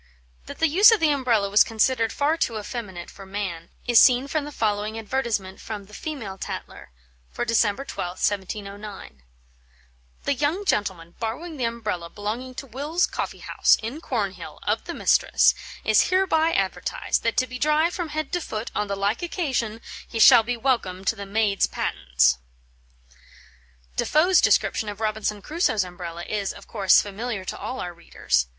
That the use of the Umbrella was considered far too effeminate for man, is seen from the following advertisement from the Female Tatler for December 12th, 1709: "The young gentleman borrowing the Umbrella belonging to Wills' Coffee house, in Cornhill, of the mistress, is hereby advertised, that to be dry from head to foot on the like occasion, he shall be welcome to the maid's pattens." Defoe's description of Robinson Crusoe's Umbrella is, of course, familiar to all our readers.